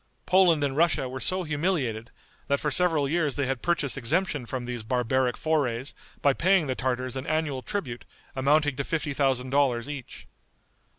Poland and Russia were so humiliated, that for several years they had purchased exemption from these barbaric forays by paying the Tartars an annual tribute amounting to fifty thousand dollars each.